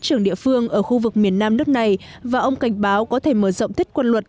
trưởng địa phương ở khu vực miền nam nước này và ông cảnh báo có thể mở rộng thiết quân luật